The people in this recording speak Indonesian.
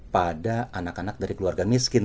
pada anak anak dari keluarga miskin